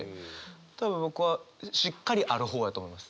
多分僕はしっかりある方やと思います。